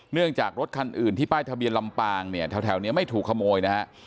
เนื่องจากรถคันอื่นที่ป้ายทะเบียนลำปางเนี่ยแถวนี้ไม่ถูกขโมยนะฮะ